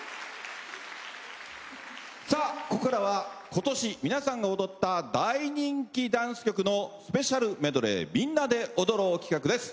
ここからは今年皆さんが踊った大人気ダンス曲のスペシャルメドレーみんなで踊ろう企画です。